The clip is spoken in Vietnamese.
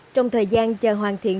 trong thời gian chờ hoàn thiện